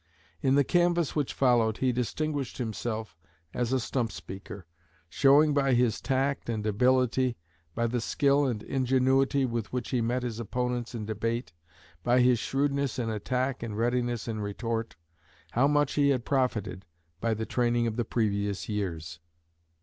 In the canvass which followed he distinguished himself as a stump speaker; showing, by his tact and ability, by the skill and ingenuity with which he met his opponents in debate, by his shrewdness in attack and readiness in retort, how much he had profited by the training of the previous years.